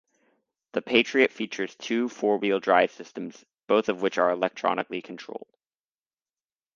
The Patriot features two four-wheel drive systems both of which are electronically controlled.